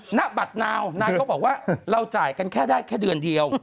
หน้าบัตรนาวนางก็บอกว่าเราจ่ายกันแค่ได้แค่เดือนเดียว